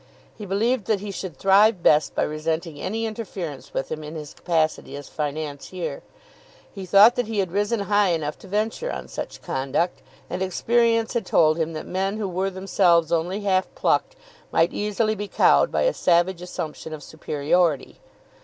He believed that he should thrive best by resenting any interference with him in his capacity as financier. He thought that he had risen high enough to venture on such conduct, and experience had told him that men who were themselves only half plucked, might easily be cowed by a savage assumption of superiority.